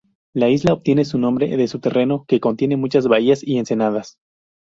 La isla obtiene su nombre de su terreno, que contiene muchas bahías y ensenadas.